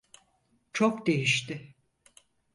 Çok değişti.